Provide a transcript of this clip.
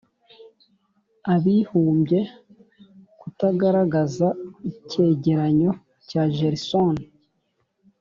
abibumbye kutagaragaza icyegeranyo cya gersony?